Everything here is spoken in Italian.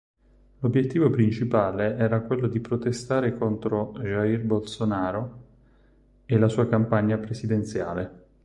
L'obiettivo principale era quello di protestare contro Jair Bolsonaro e la sua campagna presidenziale.